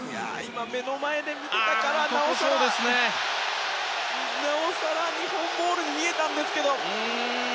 目の前で見ていたからなおさら日本ボールに見えたんですが。